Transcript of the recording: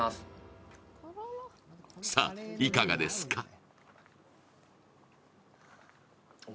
さあ、いかがですか？